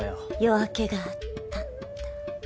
夜明けがあったんだ。